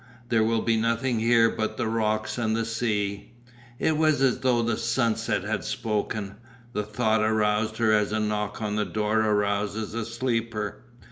There will be nothing here but the rocks and the sea." It was as though the sunset had spoken. The thought aroused her as a knock on the door arouses a sleeper.